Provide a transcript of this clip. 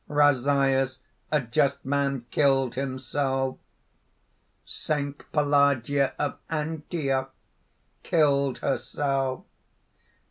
Razias, a just man, killed himself! Saint Pelagia of Antioch killed herself!